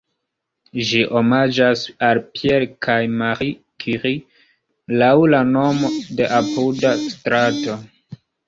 Ĝi omaĝas al Pierre kaj Marie Curie laŭ la nomo de apuda strato.